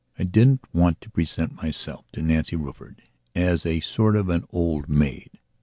I didn't want to present myself to Nancy Rufford as a sort of an old maid.